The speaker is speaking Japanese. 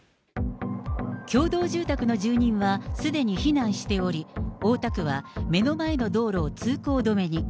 共同住宅の住民はすでに避難しており、大田区は目の前の道路を通行止めに。